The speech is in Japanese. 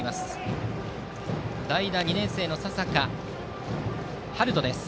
代打、２年生の佐坂悠登です。